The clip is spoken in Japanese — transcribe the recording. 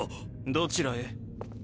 どちらへ？